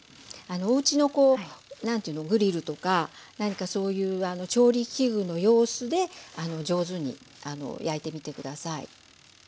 おうちのグリルとか調理器具の様子で上手に焼いてみて下さい。